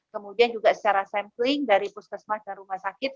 kemudian juga secara sampling dari puskesmas dan rumah sakit